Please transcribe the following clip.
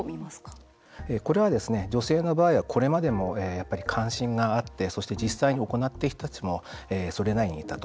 これは女性の場合はこれまでもやっぱり関心があってそして、実際に行っている人たちもそれなりにいたと。